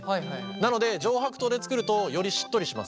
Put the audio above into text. なので上白糖で作るとよりしっとりします。